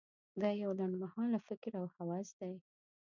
دا یو لنډ مهاله فکر او هوس دی.